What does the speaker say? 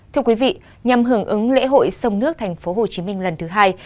thưa quý vị nhằm hưởng ứng lễ hội sông nước tp hcm lần thứ hai